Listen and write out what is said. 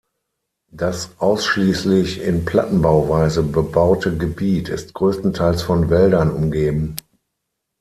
Das ausschließlich in Plattenbauweise bebaute Gebiet ist größtenteils von Wäldern umgeben.